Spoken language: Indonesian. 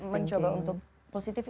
mencoba untuk positif